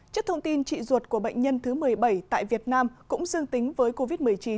trước thông tin trị ruột của bệnh nhân thứ một mươi bảy tại việt nam cũng dương tính với covid một mươi chín